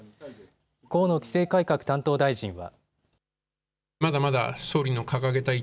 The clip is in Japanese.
河野規制改革担当大臣は。